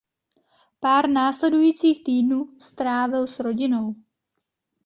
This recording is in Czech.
Pár následujících týdnů strávil s rodinou.